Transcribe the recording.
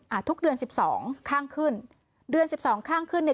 ทุกเดือนสิบสองข้างขึ้นเดือนสิบสองข้างขึ้นเนี่ย